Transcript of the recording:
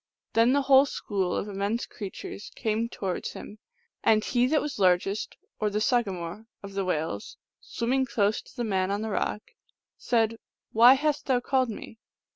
Then the whole school of immense creatures came to wards him ; and he that was largest, or the sagamore of the whales, swimming close to the man on the rock, said, " Why hast thou called me